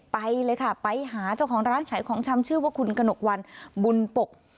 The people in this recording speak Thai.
ไปเลยค่ะไปหาเจ้าของร้านขายของชำชื่อว่าคุณกระหนกวันบุญปก